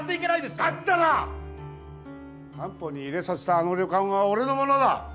だったら担保に入れさせたあの旅館は俺のものだ